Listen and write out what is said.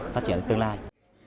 phát triển tương lai